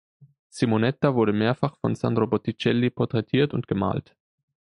Simonetta wurde mehrfach von Sandro Botticelli porträtiert und gemalt.